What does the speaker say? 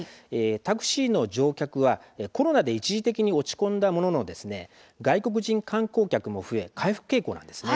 タクシーの乗客はコロナで一時的に落ち込んだものの外国人観光客も増え回復傾向なんです。